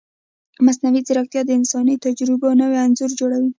مصنوعي ځیرکتیا د انساني تجربو نوی انځور جوړوي.